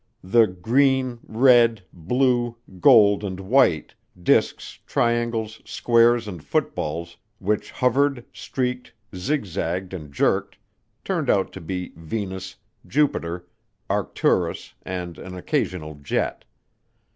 The green, red, blue, gold and white; discs, triangles, squares and footballs which hovered, streaked, zigzagged and jerked, turned out to be Venus, Jupiter, Arcturus and an occasional jet.